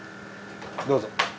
どうぞ。